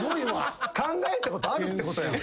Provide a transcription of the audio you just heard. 考えたことあるってことやん。